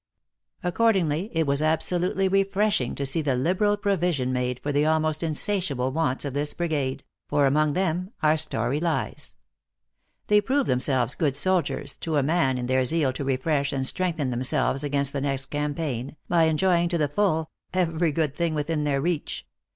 Accordingly, it was absolutely refreshing to see the liberal provision made for the almost insatiable wants of this brigade for among them our story lies. They proved themselves good soldiers, to a man, in their zeal to refresh and strengthen themselves against the next campaign, by enjoying, to the full, every good thing within their reach.